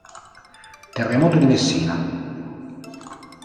Terremoto di Messina